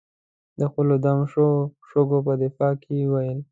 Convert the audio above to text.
د خپلو دم شوو شګو په دفاع کې یې وویل.